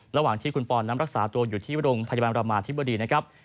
ระหว่างที่คุณปอนด์นำรักษาตัวอยู่ที่วดงพยาบาลรามาที่บดี